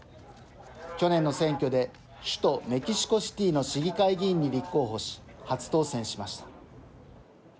去年の選挙で首都メキシコシティーの市議会議員に立候補し初当選しました。